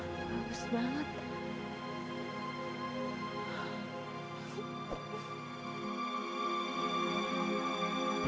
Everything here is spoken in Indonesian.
wah bagus banget